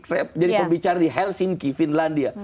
saya jadi pembicara di helsinki finlandia